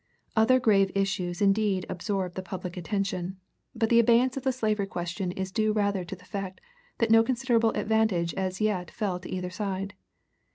Other grave issues indeed absorbed the public attention, but the abeyance of the slavery question is due rather to the fact that no considerable advantage as yet fell to either side.